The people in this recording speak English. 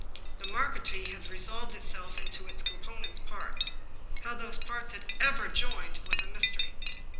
The marquetry had resolved itself into its component parts. How those parts had ever been joined was a mys tery.